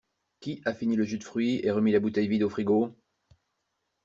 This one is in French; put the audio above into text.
Qui a fini le jus de fruit et remis la bouteille vide au frigo?